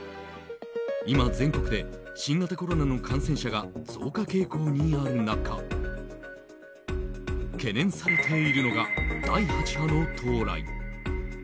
今、全国で新型コロナの感染者が増加傾向にある中懸念されているのが第８波の到来。